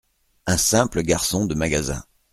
Un simple garçon de magasin …